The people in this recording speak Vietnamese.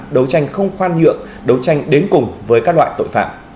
đấu tranh không khoan nhượng đấu tranh đến cùng với các loại tội phạm